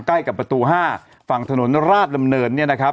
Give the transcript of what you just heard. ใกล้กับประตู๕ฝั่งถนนราชดำเนิน